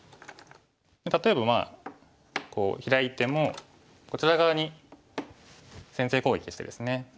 例えばまあこうヒラいてもこちら側に先制攻撃してですね。